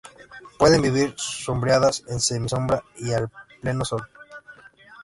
Pueden vivir sombreadas, en semisombra y a pleno sol.